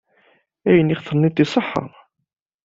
Ayen ay d-tenniḍ iṣeḥḥa.